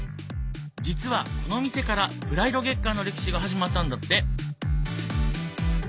実はこの店からプライド月間の歴史が始まったんだって。